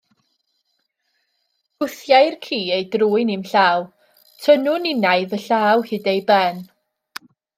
Gwthiai'r ci ei drwyn i'm llaw, tynnwn innau fy llaw hyd ei ben.